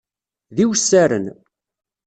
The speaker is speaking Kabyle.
D iwessaren.